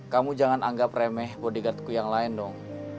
kamu jangan anggap remeh bodyguardku yang lain dong